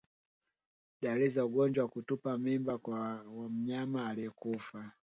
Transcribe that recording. Dalili za ugonjwa wa kutupa mimba kwa mnyama aliyekufa